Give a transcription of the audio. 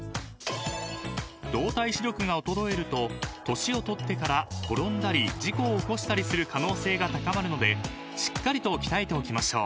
［動体視力が衰えると年を取ってから転んだり事故を起こしたりする可能性が高まるのでしっかりと鍛えておきましょう］